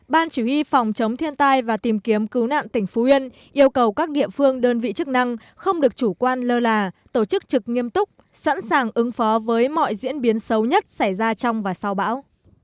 ban chỉ huy phòng chống thiên tai và tìm kiếm cứu nạn tỉnh phú yên yêu cầu các địa phương đơn vị chức năng không được chủ quan lơ là tổ chức trực nghiêm túc sẵn sàng ứng phó với mọi diễn biến xấu nhất xảy ra trong và sau bão